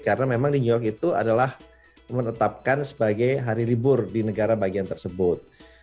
karena memang di new york itu adalah menetapkan sebagai hari libur di negara bagian tersebut